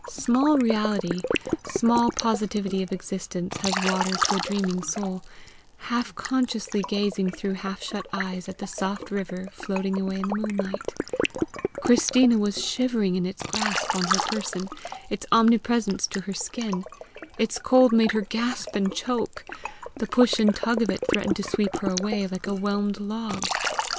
Small reality, small positivity of existence has water to a dreaming soul, half consciously gazing through half shut eyes at the soft river floating away in the moonlight: Christina was shivering in its grasp on her person, its omnipresence to her skin; its cold made her gasp and choke; the push and tug of it threatened to sweep her away like a whelmed log!